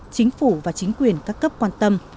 chính phủ và chính quyền các cấp quan tâm